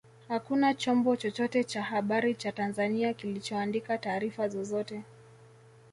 Hakuna chombo chochote cha habari cha Tanzania kilichoandika taarifa zozote